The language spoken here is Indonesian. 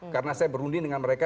karena saya berunding dengan mereka